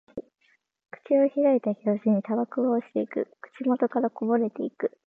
口を開いた拍子にタバコが落ちていく。口元からこぼれていく。